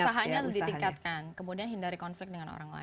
usahanya ditingkatkan kemudian hindari konflik dengan orang lain